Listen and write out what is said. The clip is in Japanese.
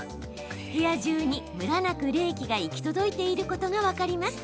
部屋中にムラなく冷気が行き届いていることが分かります。